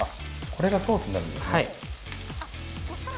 これがソースになるんですね。